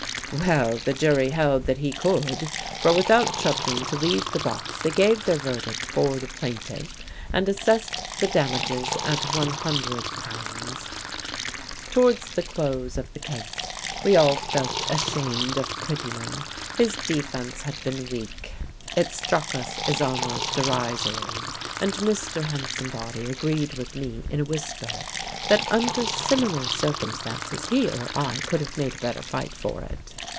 _" Well, the jury held that he could; for without troubling to leave the box they gave their verdict for the plaintiff, and assessed the damages at one hundred pounds. Towards the close of the case we all felt ashamed of Pretyman. His defence had been weak; it struck us as almost derisory; and Mr. Hansombody agreed with me in a whisper that under similar circumstances he or I could have made a better fight for it.